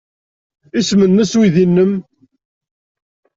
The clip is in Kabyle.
Isem-nnes uydi-nnem?